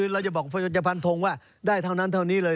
เราจะบอกจะพันธงว่าได้เท่านั้นเท่านี้เลย